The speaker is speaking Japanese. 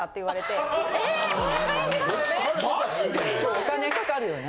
お金かかるよね。